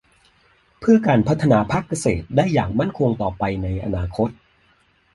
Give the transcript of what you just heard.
เพื่อการพัฒนาภาคเกษตรได้อย่างมั่นคงต่อไปในอนาคต